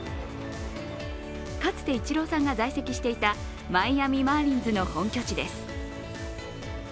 かつてイチローさんが在籍していたマイアミ・マーリンズの本拠地です。